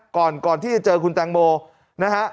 ก่อนที่จะเจอคุณแตงโมนะฮะ